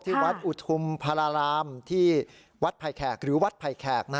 วัดอุทุมพรารามที่วัดไผ่แขกหรือวัดไผ่แขก